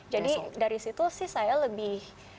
jadi dari situ sih saya lebih